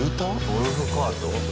ゴルフカート？